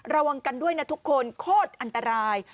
ระวังกันด้วยนะทุกคนโคตรอันตราย